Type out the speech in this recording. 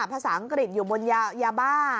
ภาษาอังกฤษอยู่บนยาบ้า